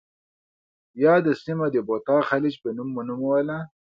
یاده سیمه د بوتا خلیج په نوم ونوموله.